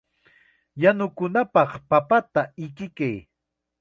Yanukunapaq papata ikiykay.